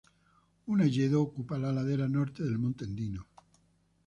Un hayedo ocupa la ladera norte del monte Endino.